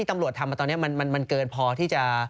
คือจะเลือกใช้แบบไหน